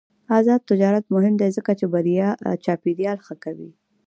آزاد تجارت مهم دی ځکه چې چاپیریال ښه کوي.